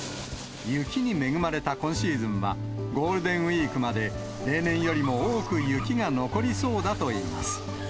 雪に恵まれた今シーズンは、ゴールデンウィークまで例年よりも多く雪が残りそうだといいます。